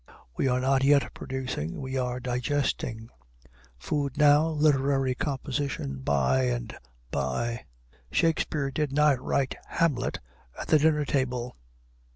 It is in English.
We are not yet producing, we are digesting: food now, literary composition by and by: Shakespeare did not write Hamlet at the dinner table.